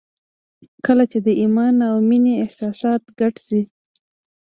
کله چې د ایمان او مینې احساسات ګډ شي